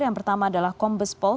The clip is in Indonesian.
yang pertama adalah kombespol